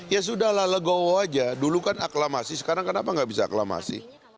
ya sudah lah legowo aja dulu kan aklamasi sekarang kenapa nggak bisa aklamasi